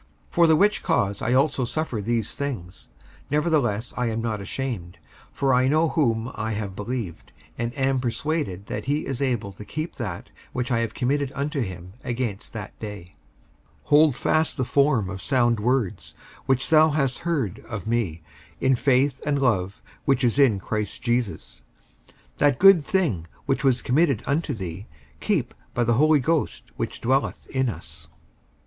55:001:012 For the which cause I also suffer these things: nevertheless I am not ashamed: for I know whom I have believed, and am persuaded that he is able to keep that which I have committed unto him against that day. 55:001:013 Hold fast the form of sound words, which thou hast heard of me, in faith and love which is in Christ Jesus. 55:001:014 That good thing which was committed unto thee keep by the Holy Ghost which dwelleth in us.